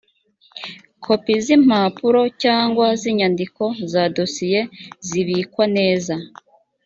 kopi z’impapuro cyangwa z’inyandiko za dosiye, zibikwa neza